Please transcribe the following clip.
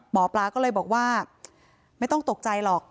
หมอปลาก็เลยบอกว่าไม่ต้องตกใจหรอก